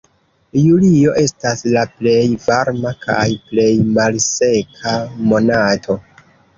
Julio estas la plej varma kaj plej malseka monato.